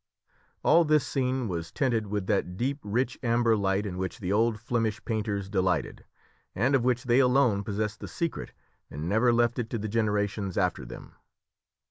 All this scene was tinted with that deep rich amber light in which the old Flemish painters delighted, and of which they alone possessed the secret, and never left it to the generations after them.